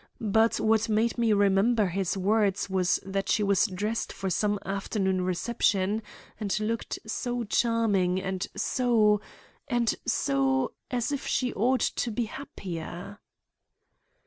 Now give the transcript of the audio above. But what made me remember his words was that she was dressed for some afternoon reception and looked so charming and so—and so, as if she ought to be happier."